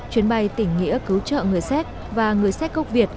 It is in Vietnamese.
chuyến bay tỉnh nghĩa cứu trợ người séc và người séc cốc việt